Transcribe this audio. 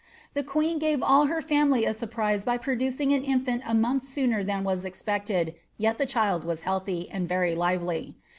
The queen gave all her family a surprise by producing her ta£uit a miailh sooner than was ejpecied, yet the child was healthy, and rery lively.